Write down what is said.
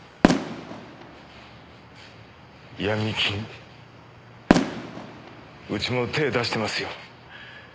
ヤミ金うちも手出してますよ。